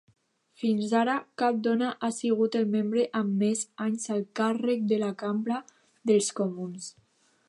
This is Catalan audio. Fins ara, cap dona ha sigut el membre amb més anys al càrrec de la Cambra dels Comuns.